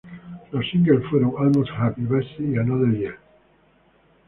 Los singles fueron "Almost Happy", "Busy" y "Another Year".